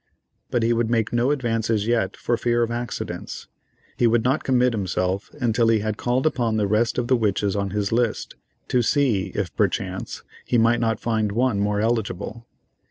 But he would make no advances yet for fear of accidents; he would not commit himself until he had called upon the rest of the witches on his list, to see, if perchance, he might not find one more eligible.